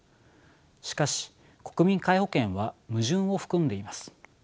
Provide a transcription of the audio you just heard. しかし国民皆保険は矛盾を含んでいます。